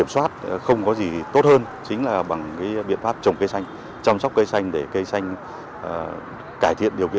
xanh sạch đẹp